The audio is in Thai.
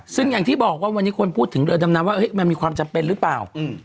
ซึ่งอย่างที่บอกว่าวันนี้ควรพูดถึงเรือดำน้ำว่ามันมีความจำเป็นหรือเปล่า